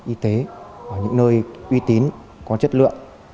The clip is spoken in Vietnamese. y tế ở những nơi uy tín có chất lượng